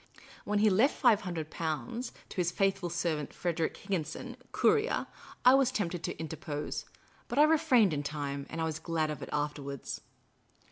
When he left Five Hundred Pounds to his faithful servant Frederic Higginson, courier, I was tempted to interpose ; but I refrained in time, and I was glad of it afterwards.